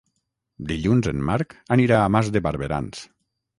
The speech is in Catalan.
Dilluns en Marc anirà a Mas de Barberans.